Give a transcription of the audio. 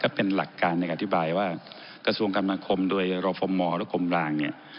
ก็เป็นหลักการนะครับอธิบายว่ากระทรวงกำลังคมโดยรอฟอร์มมอล์และกรมลางเนี่ย